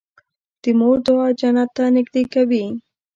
د مور دعا جنت ته نږدې کوي.